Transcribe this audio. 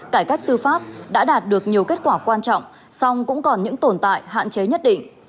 cải cách tư pháp đã đạt được nhiều kết quả quan trọng song cũng còn những tồn tại hạn chế nhất định